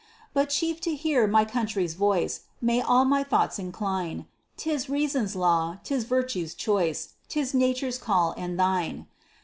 But chief to hear my country's voice, May all my thoughts incline, 'Tis reason's law, 'tis virtue's choice, 'Tis nature's call and thine.